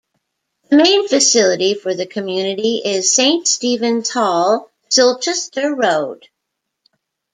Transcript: The main facility for the community is Saint Stephens Hall, Silchester Road.